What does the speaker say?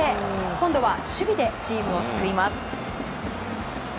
今度は守備でチームを救います。